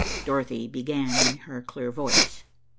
Dorothy began in her clear voice.